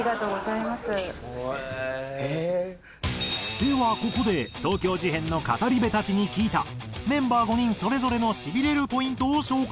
ではここで東京事変の語り部たちに聞いたメンバー５人それぞれのしびれるポイントを紹介。